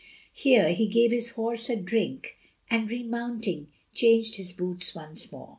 Here he gave his horse a drink, and, remounting, changed his boots once more.